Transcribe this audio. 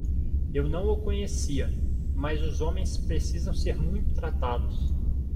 Eu não o conhecia, mas os homens precisam ser muito tratados.